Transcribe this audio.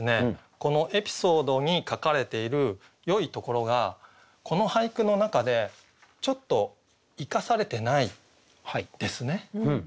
このエピソードに書かれているよいところがこの俳句の中でちょっと生かされてないですね。